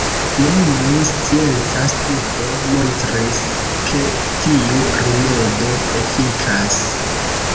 Neniu scienca studo montris ke tiu rimedo efikas.